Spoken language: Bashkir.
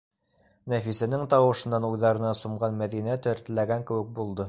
- Нәфисәнең тауышынан уйҙарына сумған Мәҙинә тертләгән кеүек булды.